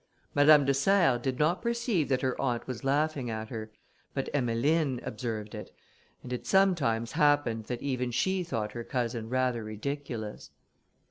Madame de Serres did not perceive that her aunt was laughing at her, but Emmeline observed it, and it sometimes happened that even she thought her cousin rather ridiculous.